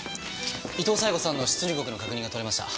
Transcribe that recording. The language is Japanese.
伊東冴子さんの出入国の確認が取れました。